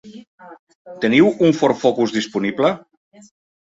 Teniu un Ford Focus disponible?